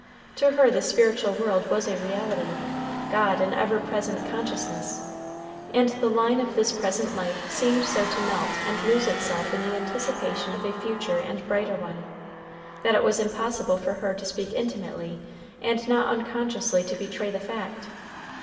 To her the spiritual world was a reality; God an ever present consciousness; and the line of this present life seemed so to melt and lose itself in the anticipation of a future and brighter one, that it was impossible for her to speak intimately and not unconsciously to betray the fact.